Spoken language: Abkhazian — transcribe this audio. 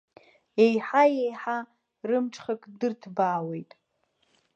Еиҳа-еиҳа рымҽхак дырҭбаауеит.